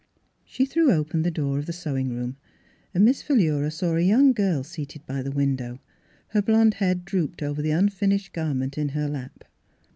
She threw open the door of the sewing room and Miss Philura saw^ a young girl seated by the window, her blond head drooped over the unfinished garment in her lap.